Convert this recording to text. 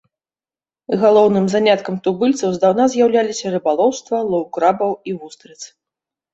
Галоўным заняткам тубыльцаў здаўна з'яўляліся рыбалоўства, лоў крабаў і вустрыц.